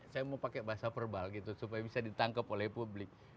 saya mau pakai bahasa verbal gitu supaya bisa ditangkap oleh publik